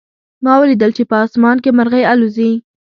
ما ولیدل چې په آسمان کې مرغۍ الوزي